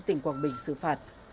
tỉnh quảng bình sử dụng